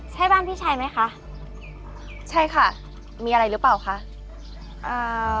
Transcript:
ใช่บ้านพี่ชายไหมคะใช่ค่ะมีอะไรหรือเปล่าคะอ่า